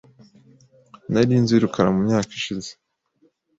Nari nzi rukara mu myaka yashize .